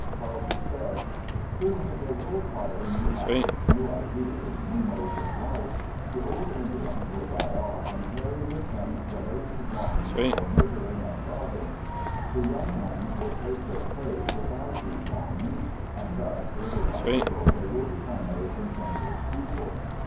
Carleton said: _Soon they will acquire new habits, new ideas, new modes of life; the old Indians will die off, and carry with them the latent longings for murdering and robbing; the young ones will take their place without these longings; and thus, little by little, they will become a contented people....